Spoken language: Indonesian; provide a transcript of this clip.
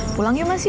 pulang yuk mas